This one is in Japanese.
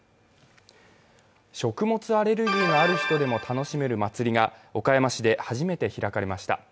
食物アレルギーのある人でも楽しめる祭りが岡山市で初めて開かれました。